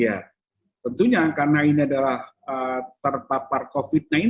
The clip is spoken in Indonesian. ya tentunya karena ini adalah terpapar covid sembilan belas